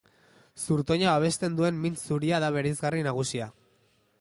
Zurtoina babesten duen mintz zuria da bereizgarri nagusia.